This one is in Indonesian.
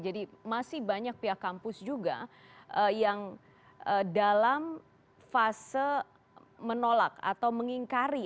jadi masih banyak pihak kampus juga yang dalam fase menolak atau mengingkari